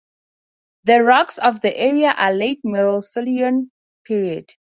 The rocks of the area are late middle Silurian period.